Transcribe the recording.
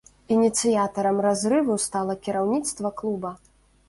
Ініцыятарам разрыву стала кіраўніцтва клуба.